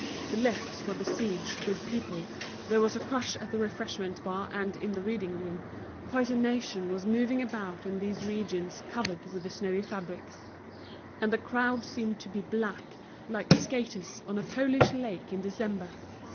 The lifts were besieged with people, there was a crush at the refreshment bar and in the reading room, quite a nation was moving about in these regions covered with the snowy fabrics. And the crowd seemed to be black, like skaters on a Polish lake in December.